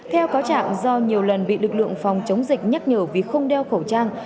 theo cáo trạng do nhiều lần bị lực lượng phòng chống dịch nhắc nhở vì không đeo khẩu trang